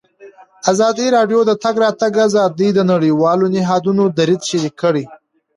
ازادي راډیو د د تګ راتګ ازادي د نړیوالو نهادونو دریځ شریک کړی.